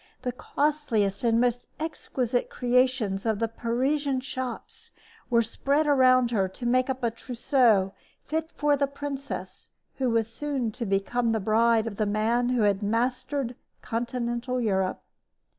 The costliest and most exquisite creations of the Parisian shops were spread around her to make up a trousseau fit for the princess who was soon to become the bride of the man who had mastered continental Europe.